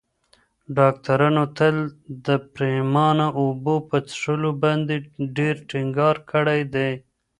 ډاکترانو تل د پرېمانه اوبو په څښلو باندې ډېر ټینګار کړی دی.